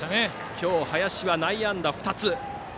今日、林は内野安打２つ。